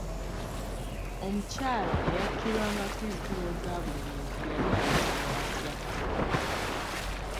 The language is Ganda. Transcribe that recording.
Omukyala eyakkirwangako empewo za Bulemeezi yali ayitibwa atya?